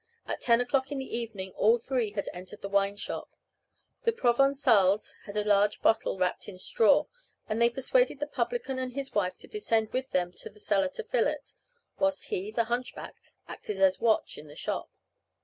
At ten o'clock in the evening all three had entered the wine shop. The Provençals had a large bottle wrapped in straw, and they persuaded the publican and his wife to descend with them into the cellar to fill it, whilst he, the hunchback, acted as watch in the shop.